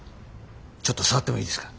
ちょっと触ってもいいですか？